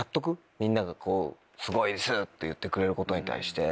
みんながすごいですって言ってくれることに対して。